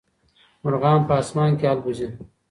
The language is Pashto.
مرغان په اسمان کي البوځي.